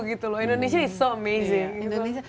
indonesia itu sangat luar biasa